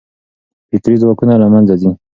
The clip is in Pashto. فکري ځواکونه له منځه ځي.